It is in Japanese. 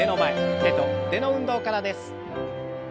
手と腕の運動からです。